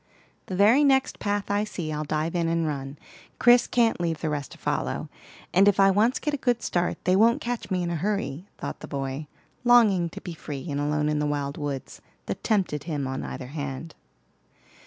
"The very next path I see, I'll dive in and run; Chris can't leave the rest to follow, and if I once get a good start, they won't catch me in a hurry," thought the boy, longing to be free and alone in the wild woods that tempted him on either hand.